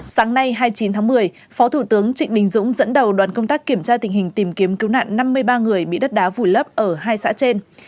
sáng nay hai mươi chín tháng một mươi phó thủ tướng trịnh đình dũng dẫn đầu đoàn công tác kiểm tra tình hình tìm kiếm cứu nạn năm mươi ba người bị đất đá vùi lấp ở hai xã trên